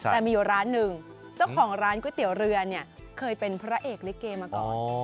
แต่มีอยู่ร้านหนึ่งเจ้าของร้านก๋วยเตี๋ยวเรือเนี่ยเคยเป็นพระเอกลิเกมาก่อน